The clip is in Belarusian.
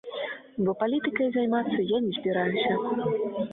Бо палітыкай займацца я не збіраюся.